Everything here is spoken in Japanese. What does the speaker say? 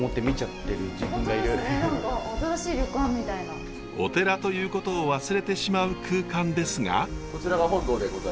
新しい旅館みたいな。お寺ということを忘れてしまう空間ですが。